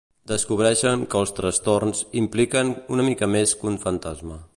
Descobreixen que els trastorns impliquen una mica més que un fantasma.